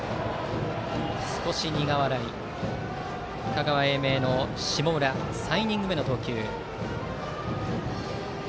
少し苦笑いした香川・英明の下村３イニング目の投球。